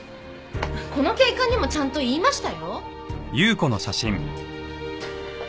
この警官にもちゃんと言いましたよ。